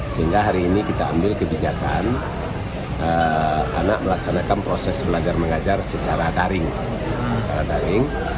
sehingga hari ini kita ambil kebijakan anak melaksanakan proses belajar mengajar secara daring secara daring